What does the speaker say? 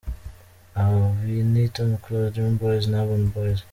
Abi ni Tom Close, Dream Boys na Urban Boys.